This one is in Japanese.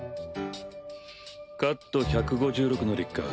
カット１５６のリッカ